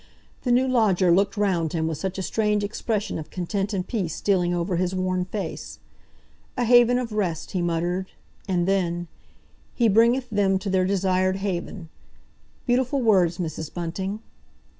The new lodger looked round him with such a strange expression of content and peace stealing over his worn face. "A haven of rest," he muttered; and then, "'He bringeth them to their desired haven.' Beautiful words, Mrs. Bunting."